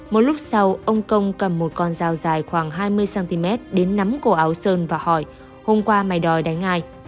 một lúc sau ông công cầm một con dao dài khoảng hai mươi cm đến nắm cổ áo sơn và hỏi hôm qua máy đòi đánh ai